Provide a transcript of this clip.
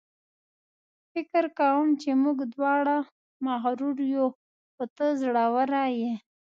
فکر کوم چې موږ دواړه مغرور یو، خو ته زړوره یې.